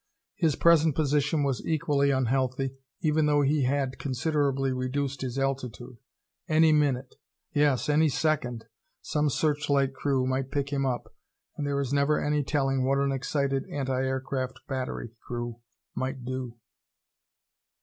His present position was equally unhealthy, even though he had considerably reduced his altitude. Any minute yes, any second some searchlight crew might pick him up, and there is never any telling what an excited anti aircraft battery crew might do.